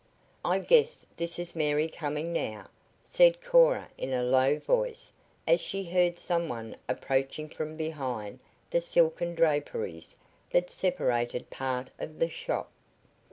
"I guess this is Mary coming now," said Cora in a low voice as she heard some one approaching from behind the silken draperies that separated part of the shop.